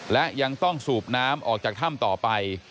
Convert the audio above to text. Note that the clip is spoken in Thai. และยังต้องสูบน้ำออกจากถ้ำต่อไป